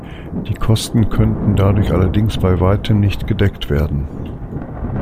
Die Kosten können dadurch allerdings bei weitem nicht gedeckt werden.